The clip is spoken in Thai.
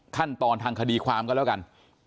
ขั้นตอนทางคดีความก็แล้วกัน